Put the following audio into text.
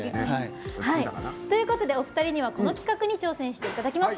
お二人にはこの企画に挑戦してもらいます。